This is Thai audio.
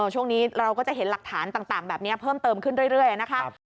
ช่วงนี้เราก็จะเห็นหลักฐานต่างแบบนี้เพิ่มเติมขึ้นเรื่อยนะคะ